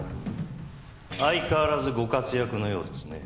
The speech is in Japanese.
相変わらずご活躍のようですね。